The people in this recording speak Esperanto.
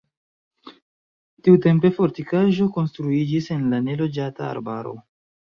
Tiutempe fortikaĵo konstruiĝis en la neloĝata arbaro.